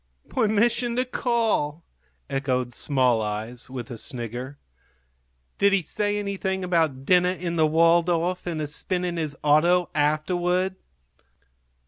"Permission to call!" echoed small eyes, with a snigger. "Did he say anything about dinner in the Waldorf and a spin in his auto afterward?"